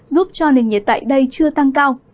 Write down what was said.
giúp cho nền nhiệt tại đây chưa tăng cao